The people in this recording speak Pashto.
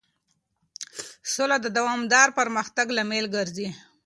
سوله د دوامدار پرمختګ لامل ګرځي.